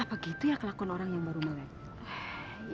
apa gitu ya kelakuan orang yang baru melek